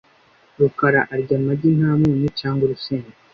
rukara arya amagi nta munyu cyangwa urusenda .